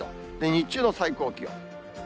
日中の最高気温。